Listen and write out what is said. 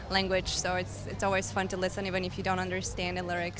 jadi itu selalu menarik untuk mendengar meskipun anda tidak mengerti lirik